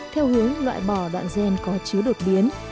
theo hướng loại bỏ đoạn gen có chứa đột biến